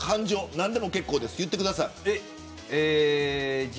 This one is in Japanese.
何でも結構です言ってください。